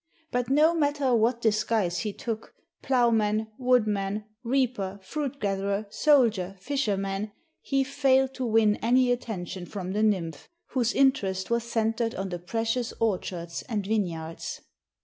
But no matter what disguise he took plowman, woodman, reaper, fruit gatherer, soldier, fisherman he failed to win any attention from the nymph, whose interest was centered on the precious orchards and vineyards.